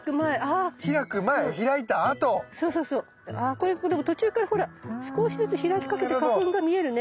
これでも途中からほら少しずつ開きかけて花粉が見えるね。